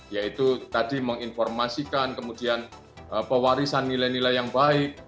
yaitu tadi menginformasikan kemudian pewarisan nilai nilai yang baik